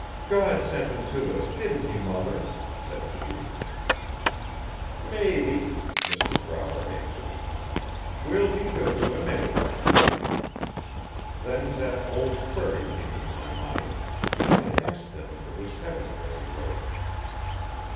'God sent him to us didn't he, mother?' said she. 'Maybe,' Mrs Brower answered, 'we'll be good to him, anyway.' Then that old query came into my mind. I asked them if it was heaven where we were.